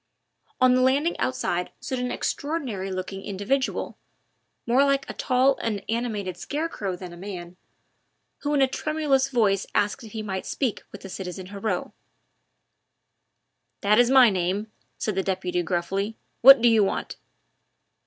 On the landing outside stood an extraordinary looking individual more like a tall and animated scarecrow than a man who in a tremulous voice asked if he might speak with the citizen Heriot. "That is my name," said the deputy gruffly, "what do you want?"